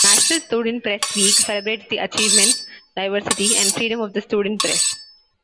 National Student Press Week celebrates the achievements, diversity and freedom of the student press.